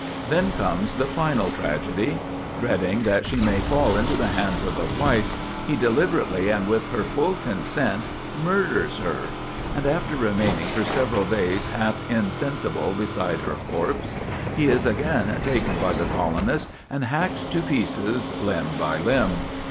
Then comes the final tragedy. Dreading that she may fall into the hands of the whites, he deliberately and with her full consent, murders her; and after remaining for several days half insensible beside her corpse, he is again taken by the colonists, and hacked to pieces limb by limb.